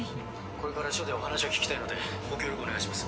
これから署でお話を聞きたいのでご協力お願いします。